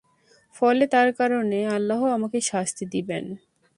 ফলে তার কারণে আল্লাহ আমাকে শাস্তি দিবেন।